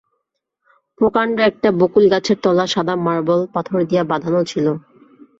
প্রকাণ্ড একটা বকুলগাছের তলা সাদা মার্বল পাথর দিয়া বাঁধানো ছিল।